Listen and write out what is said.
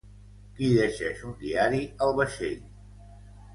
Qui llegeix un diari al vaixell?